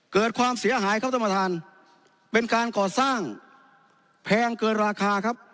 เกิดความเสียหายครับท่านประธานเป็นการก่อสร้างแพงเกินราคาครับ